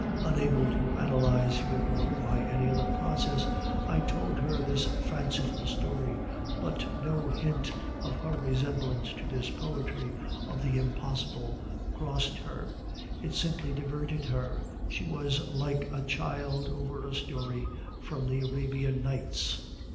Unable to analyze Foedora by any other process, I told her this fanciful story; but no hint of her resemblance to this poetry of the impossible crossed her it simply diverted her; she was like a child over a story from the Arabian Nights.